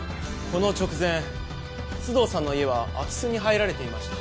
この直前須藤さんの家は空き巣に入られていました。